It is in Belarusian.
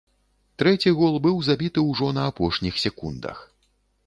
Трэці гол быў забіты ўжо на апошніх секундах.